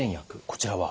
こちらは？